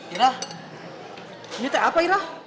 irah ini teh apa irah